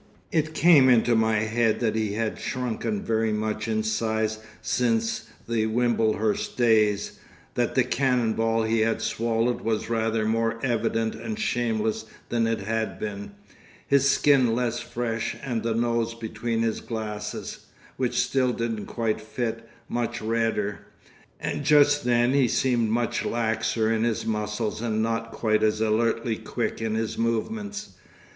It came into my head that he had shrunken very much in size since the Wimblehurst days, that the cannon ball he had swallowed was rather more evident and shameless than it had been, his skin less fresh and the nose between his glasses, which still didn't quite fit, much redder. And just then he seemed much laxer in his muscles and not quite as alertly quick in his movements.